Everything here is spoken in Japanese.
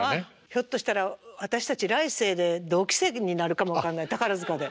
ひょっとしたら私たち来世で同期生になるかも分かんない宝塚で。